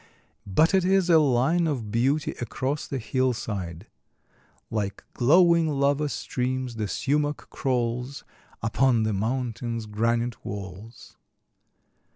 But it is a line of beauty across the hillside: Like glowing lava streams the sumach crawls Upon the mountain's granite walls.